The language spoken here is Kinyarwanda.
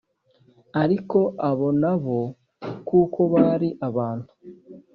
Ariko abo na bo, kuko bari abantu,